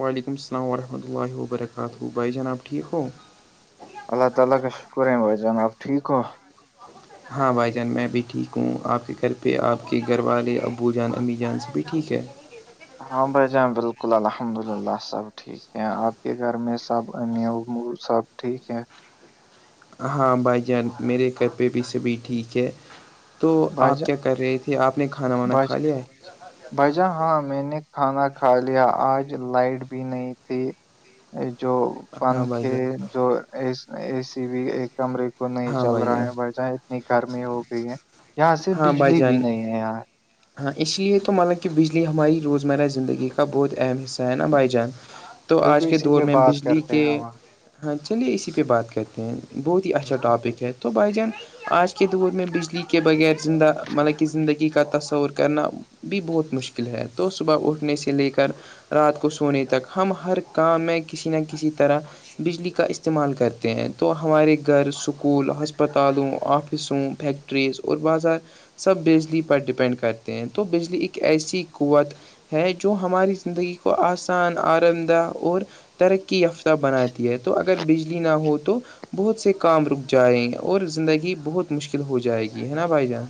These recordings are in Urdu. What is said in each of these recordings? وعلیکم السلام ورحمۃ اللہ وبرکاتہ بھائی جناب ٹھیک ہو اللہ تعالی کا شکر ہے بھائی جان آب ٹھیک ہو ہاں بھائی جان میں بھی ٹھیک ہوں آپ کے گھر پہ آپ کے گھر والے ابو جان امی جان سے بھی ٹھیک ہے ہاں بھائی جاناں بالکل الحمد للہ سب ٹھیک ہے آپ کے گھر میں سب ا سب ٹھیک ہے ہاں بھائی جان میرے گھر پہ بھی سبھی ٹھیک ہے تو بھائی آپ جان کیا کر رہی تھی آپ نے کھانا وانا کھا لیا ہے بجا ہاں میں نے کھانا کھا لیا آج لائٹ بھی نہیں تھی جو ہاں بھائی پنکھے جان جو اے سی بھی کمرے کو نہیں چل رہا ہے بھائی جان اتنی گرمی ہو گئی ہے یہاں سے ہاں بھائی بجلی بھی جان نہیں ہے یہاں ہاں اس لیے تو مطا کہ بجلی ہماری روزمرہ زندگی کا بہت اہ حصہ ہے نا بھائی جان تو آج بالکل کے اسی دور پہ میں بات بجلی کرتے کے ہیں ہم ہاں چلیے اسی پہ بات کرتے ہیں بہت ہی اچھا ٹاپک ہے تو بائی جان آج کے دور میں بجلی کے بغیر زندہ مطلب کہ زندگی کا تصور کرنا بھی بہت مشکل ہے تو صبح اٹھنے سے لے کر رات کو سونے تک ہم ہر کام میں کسی نہ کسی طرح بجلی کا استعمال کرتے ہیں تو ہمارے گھر سکول ہسپتالوں آفسوں فیکٹریز اور بازار سب بجلی پر ڈپینڈ کرتے ہیں تو بجلی ایک ایسی قوت ہے جو ہماری زندگی کو آسان آرام دہ اور ترقی یافتہ بناتی ہے تو اگر بجلی نہ ہو تو بہت سے کام رک جائیں گے اور زندگی بہت مشکل ہو جائے گی ہے نا بھائی جان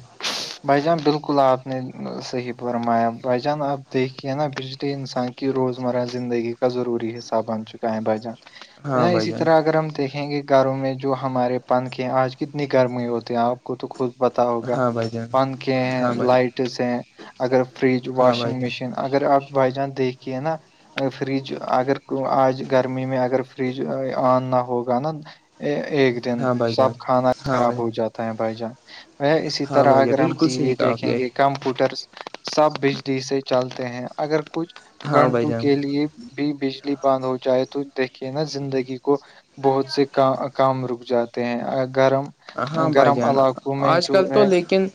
بھائی جان بالکل آپ نے صحیح فرمایا بائی جان آپ دیکھیے نا بجلی انسان کہہ روز مرہ زندگی کا ضروری حساب بن چ کہ بجیں ہاں یا بھائی اسی جان طرح اگر ہم دیکھیں گے گھروں میں جو ہمارے پنکھے ہیں آج کتنی گرمی ہوتے ہیں آپ کو تو خود پتا ہوگا ہاں بھائی جان پنکھے ہیں ہاں بھائی لائٹس ہیں اگر فریج ہاں بھائی واشنگ جان مشین اگر آپ بائی چانس دیکھیے نا فریج اگر آج گرمی میں اگر فرج آن نہ ہوگا نا ایک دن ہاں بھائی جان سب کھانا ہاں خراب بھائی ہو جاتا بھائی جان وہ اسی ہاں طرح بھائی جان اگر ہم بالکل ٹی صحیح وی کہا آپ دیکھیں نے گے کمپیوٹر سب بجلی سے چلتے ہیں اگر کچھ ہاں بھائی گھنٹوں جان کے لیے بھی بجلی بند ہو جائے تو دیکھیے نا زندگی کو بہت سے کا کام رک جاتے ہیں گرم ہاں بھائی گرم جان علاقوں میں آج جو کل تو ہے لیکن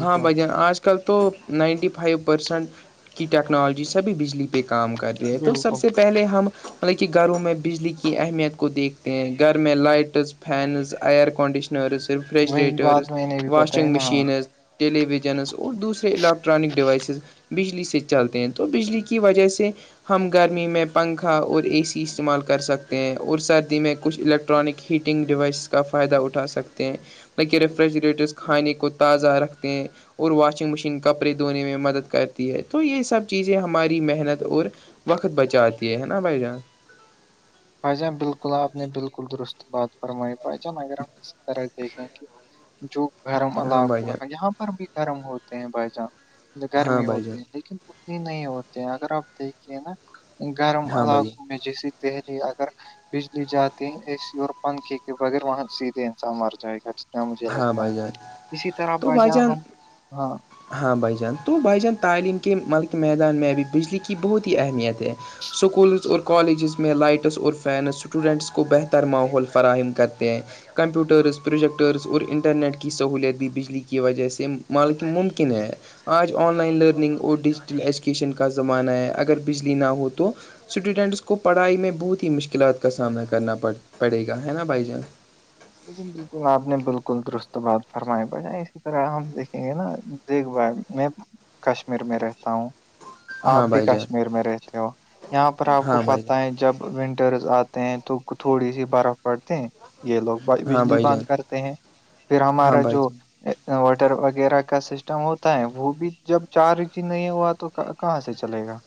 ہاں بھائی جان آج کل آج کل تو نائنٹی فائیو پرسینٹ کی ٹیکنالوجی س بھی بجلی پہ کام کر ہے یہ تو سب بالکل سے پہلے ہم مطلب کہ گھروں میں بجلی کی اہمیت کو دیکھتے ہیں گھر میں لائٹس فینز ایئر کنڈیشن وشنرز وہی ریفریجریٹرز بات میں نے بھی بتائی واشنگ نا ہاں مشینز ٹیلی ویژنز اور دوسرے الیکٹرانک ڈیوائسز بجلی سے چلتے ہیں تو بجلی کی وجہ سے ہم گرمی میں پنکھا اور اے سی استعمال کر سکتے ہیں اور سردی میں کچھ الٹ الٹرانک ہیٹنگ ڈیوائس کا فائدہ اٹھا سک ہیں نہ کہ ریفریجریٹرس کھانے کو تازہ رکھتے ہیں اور واشنگ مشین کپڑے دھونے میں مدد کرتی ہے تو یہ سب چیزیں ہماری محنت اور وقت بچاتی ہے نا بھائی جان بھ جان بالکل آپ نے بالکل درست بات فرمائی بھائی جان اگر ہم کسی طرح دیکھیں کہ جو گھرم ہاں علاق بھائی جان ہو یہاں پر بھی گھرم ہوتے ہیں بھائی جان ہاں گرمی بھائی جان ہوتی ہے لیکن اتنی نہیں ہوتے ہیں اگر آپ دیکھیے نا گرم ہاں بھائی علاقوں میں جیسے تحت اگر بجلی جاتی ہیں اے سی اور پنکھے کے بغیر وہاں سیدھے انسان مر جائے گا کیا مجھے ہاں لگتا بھائی جان ہے اسی طرح تو ب بھائی جاں جان ہم ہاں ہاں بھائی جان تو بھائی جان تعلیم کے م کے میدان میں ابھی بجلی کی بہت ہی اہمیت ہے سکول اور کالجز میں لائٹس اور فینس اسٹوڈینٹس کو بہتر ماحول فراہم کرتے ہیں کمپوٹرز پروجیکٹ ٹرس اور انٹرنیٹ کی سہوولت بھی بجلی کی وجہ سے مالک ممکن ہے آج آن لائن لرننگ اور ڈیجیٹل ایجوکیشن کا زمانہ ہے اگر بجلی نہ ہو تو اسٹوڈینٹس کو پڑھائی میں بہت ہی مشکلات کا سامنا کرنا پ پڑے گا ہے نا بائی جانس بالکل آپ نے بالکل درست بات فرمائی با اسی طرح ہم دیکھیں گے نا دیکھ بھائی میں کشمیر میں رہتا ہوں آپ ہاں بھی بھائی جان کشمیر میں رہتے ہو یہاں پر آپ کو ہاں بھائی پت ہے جب ونٹرس آتے ہیں تو تھوڑی سی برف پڑتی ہیں یہ لوگ ہاں بجلی بھائی جان بند کرتے ہیں پھر ہاں ہمارا بھائی جو جان انوٹر وغیرہ کا سسٹم ہوتا ہے وہ بھی جب چارج نہیں ہوا تو کہاں سے چلے گا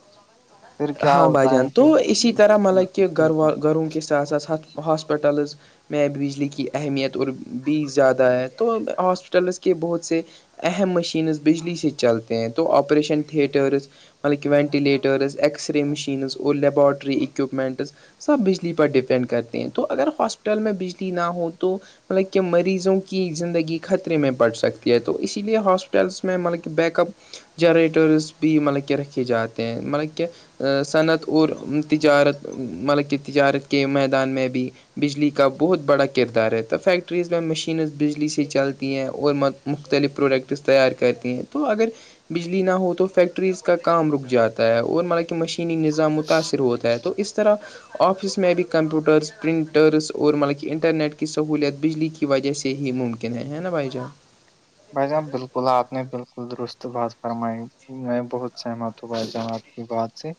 پھر کیا ہاں ہوتا بجان ہے پھر تو اسی طرح مطلب کہہ بالکل گھروا گھروں کے ساتھ ساتھ ہاسپٹلز میں بجلی کی اہمیت اور بھی زیادہ ہے تو ہاسپٹلس کے بہت سے اہم مشینز بجلی سے چلتے ہیں تو آپریشن تھیٹرس مطلب کہ وینٹللیٹرز اکس رے مشینز اور لبارٹری اکوپمینٹس سب بجلی پر ڈیپینڈ کرتے ہیں تو اگر ہاسپٹل میں بجلی نہ ہو تو مطلب کہ مریضوں کی زندگی خطرے میں پڑ سکتی ہے تو اسی لیے ہاسپٹلس میں مطلب کہ بیک اپ جنریٹرس بھی مطلب کہ رکھے جاتے ہیں مطلب کہ صنعت اور تجارت مطلب کہ تجارت کے میدان میں بھی بجلی کا بہت بڑا کردار ہے ت فیکٹریز میں مشینز بجلی سے چلتی ہیں اور مختلف پروڈکٹس تیار کرتی ہیں تو اگر بجلی نہ ہو تو فیکٹریز کا کام رک جاتا ہے اور ما مشینی نظام متاثر ہوتا ہے تو اس طرح آفس میں ابھی کمپیوٹرس پرنٹرس اور مطلب کہ انٹرنیٹ کی سہوولت بجلی کی وجہ سے ہی ممکن ہے نا بھائی جان بھائی جانب بالکل آپ نے بالکل درست بات فرمائی میں بہت سہمت تو بائی جان آ کی بات سے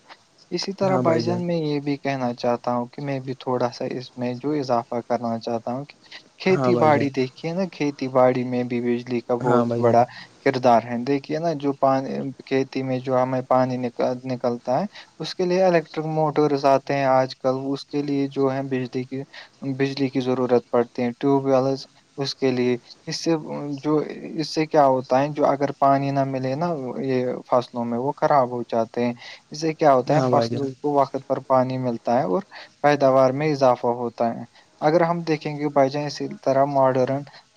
اسی طرح ہاں بھائی بائی جان میں یہ بھی کہنا چاہتا ہوں کہ میں بھی تھوڑا سا اس میں جو اضافہ کرنا چاہتا ہوں کہ ہاں کھیتی بھائی باڑی جان دیکھیے نا کھیتی باڑی میں بھی بجلی کا ہاں بہت بھائی جان بڑا کردار ہیں دیکھیے نا جو پانی کھیتی میں جو ہمیں پانی نک نکلتا ہے اس کے لیے الیکٹرک موٹرس آتے ہیں آج کل اس کے لیے جو ہے بجلی کے بجلی کی ضرورت پڑتی ہیں ٹیوب ویلز اس کے لیے اس سے جو اس سے کیا ہوتا ہے جو اگر پانی نہ ملے نا یہ فصلوں میں وہ خراب ہو جاتا ہیں اس سے کیا ہوتا ہے ہاں بھائی جان فصلوں کو وقت پر پانی ملتا ہے اور پیداوار میں اضافہ ہوتا ہے اگر ہم دیکھیں گے بچیں اسی طرح ماڈر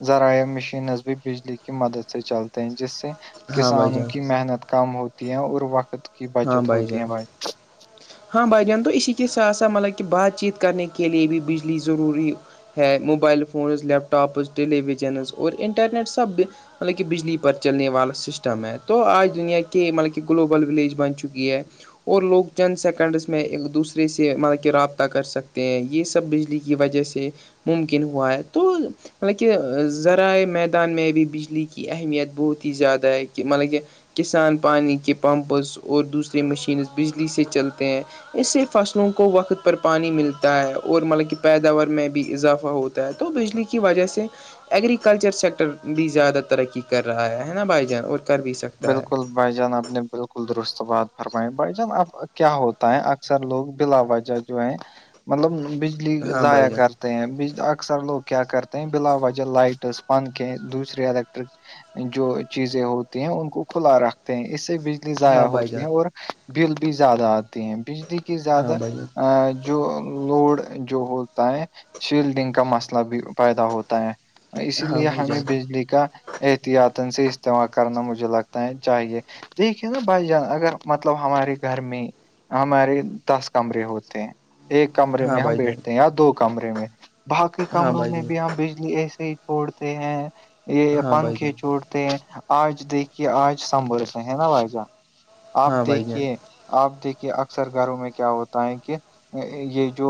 ذرائع مشینز بھی بجلی کی مدد سے چلتے ہیں جس سے ہاں بھائی کسانوں جان کی محنت کم ہوتی ہے اور وقت کی ہاں بچت بھائی ہوتی ہے جان ہاں بھائی جان تو اسی کے ساتھ ساتھ مطلب کہ بات چیت کرنے کے لیے بھی بجلی ضروری ہے mobile phones laptops televisions اور انٹرنیٹ سب مطلب کہ بجلی پر چلنے والا سسٹم ہے تو آج دنیا کے مطلب کہ گلوبل ولیج بن چکی ہے اور لوگ چند سیکنڈس میں ایک دوسرے سے مطب کہ رابطہ کر سکتے ہیں یہ سب بجلی کی وجہ سے ممکن ہوا ہے تو مطلب کہ ذرائع میدان میں بھی بجلی کی اہمیت بہت ہی زیادہ ہے کہ مطلب کہ کسان پانی کے پمپز اور دوسریے مشینز بجلی سے چلتے ہیں اس سے فصلوں کو وقت پر پانی ملتا ہے اور مطلب کہ پیداوار میں بھی اضافہ ہوتا ہے ہے تو بجلی کی وجہ سے ایگرییکلچر سیکٹر بھی زیادہ ترقی کر رہا ہے ہے نا بھائی جان اور کر بھی سکتا ہے بالکل بھائی جان آپ نے بالکل درست بات فرمائی بھائی جان اب کیا ہوتا ہے اکثر لوگ بلا وجہ جو ہے مطلب بجلی ہاں ضائیا بھائی جان کر ہیں اکثر لوگ کیا کرتے ہیں بلا وجہ لائٹس پن کے دوسری الیکٹرک جو چیزیں ہو ہیں ان کو کھلا رکھتے ہیں اس سے بجلی ضائع ہاں بھائی ہوتی جان ہے اور بل بھی زیادہ آ ہیں بجلی کی ہاں زیادہ بھائی جان ا جو لوڈ جو ہوتا ہے شیلڈنگ کا مسئلہ بھی پیدا ہوتا ہے اسی ہاں لیے بھائی ہمیں جان بجلی کا احتیاط سے استعمال کرنا مجھے لگتا ہے چاہیے تو یہ کہ نا بھائی جان اگر مطلب ہمارے گھر میں ہمارے دس کمرے ہوتے ہیں ایک کمرے ہاں میں ہم بھائی جان بیٹھتے ہیں یا دو کمرے میں باقی ہاں کمروں میں بھائی جان بھی ہم بجلی ایسے ہی چھوڑ ہیں یہ ہاں بھائی پنکھے جان چھڑتے ہیں آج دیکھیے آج سنبور سے ہے نا وھائی جان آپ ہاں بھائی جان دیکھیے آپ دیکھیے اکثر گھروں میں کیا ہوتا ہے کہ یہ جو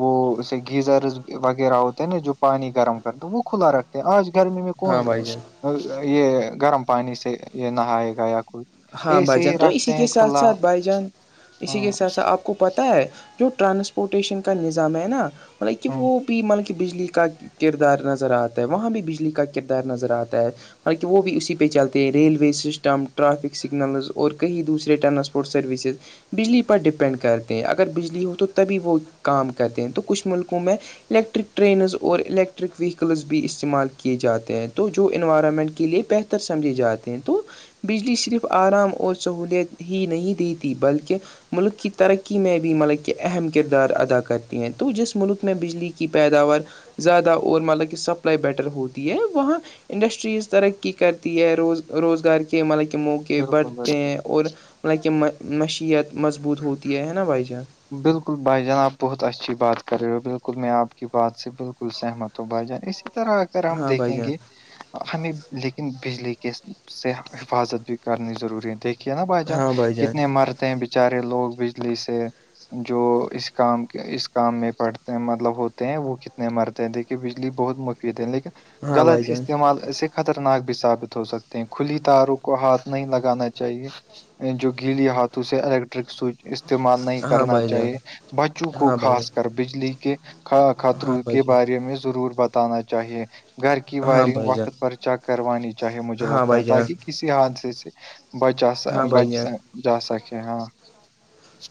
وہ اسے گیزرز وغیرہ ہوتے ہیں نا جو پانی گرم کرتے وہ کھلا رکھتے ہیں آج گرمی میں کون ہاں بھائی جان یہ گرم پانی سے یہ نہائے گا یا کوئی ہاں ایسے بھائی جان ہی تو اسی رکھتے کے ہیں ساتھ کھلا ساتھ بھائی جان اسی کے ہاں ساتھ ساتھ آپ کو پتا ہے جو ٹرانسپورٹیشن کا نظام ہے نا [unintelligible] ہاں بجلی کا کردار نظر آتا ہے وہاں بھی بجلی کا کردار نظر آتا ہے حالانکہ وہ بھی اسی پہ چلتے ہیں ریلوے سسٹم ٹرافک سگنلز اور کہئی دوسرے ٹرانسپورٹ سروسز بجلی پر ڈپینڈ کرتے ہیں اگر بجلی ہو تو تبھی وہ کام کرتے ہیں تو کچھ ملکوں میں الیکٹرک ٹرینز اور الیکٹرک ویکلز بھی استعمال کیے جاتے ہیں تو جو انوائرمنٹ کے لئے بہتر سمجھے جاتے ہیں تو بجلی صرف آرام اور سہولت ہی نہیں دی ت بلکہ ملک کی ترقی میں بھی ملک کے اہم کردار ادا کرتی ہیں تو جس ملک میں بجلی کی پیداوار زیادہ اور مطلب کہ سپلائی بیٹر ہوتی ہے وہاں انڈسٹریز ترقی کرتی ہے روز روزگار کے ملک موق کہ بالکل بڑھتے بالکل ہیں اور م کہ نشیت مضبوط ہوتی ہے نا بھائی جان بالکل بھائی جان آپ بہت اچھی بات کر رہے ہو بالکل میں آپ کی بات سے بالکل سہمت ہوں بھائی جان اسی اس طرح اگر ہم ہاں بھائی دیکھیں جان گے ہمیں لیکن بجلی کے سے حفاظت بھی کرنی ضروری ہے دیک نا بھائی جان کتنے مرتے ہیں بچارے لوگ بجلی سے جو اس کام کے اس کام میں پڑتے مطلب ہوتے ہیں وہ کتنے مرتے ہیں دیک بجلی بہت مفید ہے لیکن ہاں غلط بھائی جان استعمال سے خطرناک بھی ثابت ہو سکتے ہیں کھلی تاروں کو ہاتھ نہیں لگانا چاہیے جو گیل ہاتھوں سے الیکٹرک سوئچ استعمال نہیں ہاں کرنا بھائی چاہیے بچوں کو خاص جان کر بجلی کے ہاں خطروں بھائی کے جان بارے میں ضرور بتانا چاہیے گھر کی ہاں وائرنگ بھائی جان وقت پر چیک کروانی چاہیے مجھے ہاں بھائی جان ہاں لگتا ہے بھائی جان تاکہ کسی حادثے سے بچا ہاں بھائی سچ جان جا سکے ہاں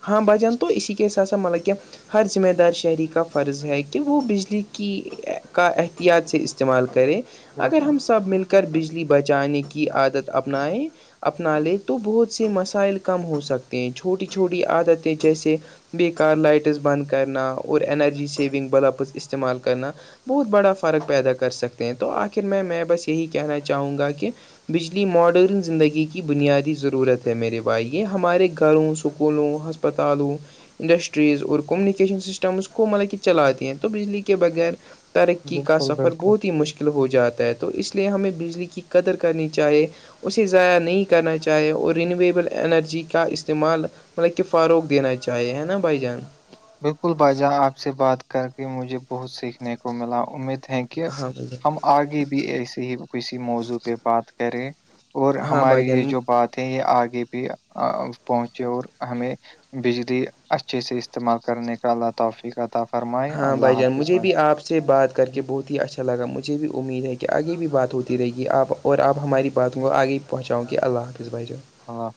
ہاں بجان تو اسی کے سات س سے مطلب کہ ہر ذمہ دار شہری کا فرض ہے کہ وہ بجلی کی کا احتیاط سے استعمال کریں اگر بالکل ہم سب مل کر کر بجلی بچانے کی عادت اپنائیں اپنا لے تو بہت سے مسائل کم ہو سکتے ہیں چھوٹی چھوٹی عادتیں جیسے بییے کار لائٹس بند کرنا اور اینرجی سونگ بلپز استعمال کرنا بہت بڑا فرق پیدا کر سکتے ہیں تو آخر میں میں بس یہی کہنا چاہوں گا کہ بجلی ماڈرن زندگی کی بنیادی ضرورت ہے میرے بھائی یہ ہمارے گھروں س سکولوں ہسپتالوں انڈسٹریز اور کمیونیکیشن سسٹمس کو مطلب کہ چلاتے ہیں تو بجلی کے بغیر ترقی کا بالکل سفر بالکل بہت ہی مشکل ہو جاتا ہے تو اس لیے ہمیں بجلی کی قدر کرنی چاہیے اسے ضائع نہیں کرنا چاہے اور رینویبل انرجی کا استعمال مطلب کہ فروغ دینا چاہیے ہے نا بھائی جان بالکل باجا آپ سے بات کر کے مجھے بہت سیکھنے کو ملا امید ہیں کہ ہاں بھائی جان ہم آگے بھی ایسے ہی کسی موضوع پہ بات کریں اور ہاں بھائی ہماری یہ جان جو بات تھے یہ آگے بھی پہنچے اور ہمیں بجلی اچھے سے استمال کرنے کا لطفی کا ہاں بھائی جان مجھے بھی آپ سے بات کر کہ اللہ بہت ہی اچھا لگا مجھے بھی امید ہے کہ آگے بھی بات ہوتی رہے گی آپ اور آپ ہماری بات ہ آگے پہنچاں گ کہ اللہ کس بجے ہ